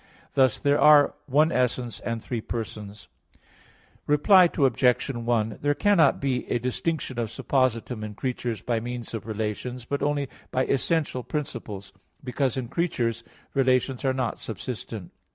Thus there are one essence and three persons. Reply Obj. 1: There cannot be a distinction of suppositum in creatures by means of relations, but only by essential principles; because in creatures relations are not subsistent.